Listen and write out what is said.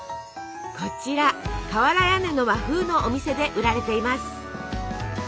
こちら瓦屋根の和風のお店で売られています。